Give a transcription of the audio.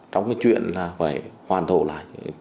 trong cái chuyện là phải hoàn thổ lại